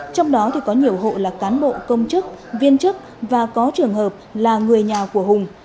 trong đó có nhiều hộ là cán bộ công chức viên chức và có trường hợp là người nhà của hùng